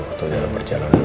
waktu dalam perjalanan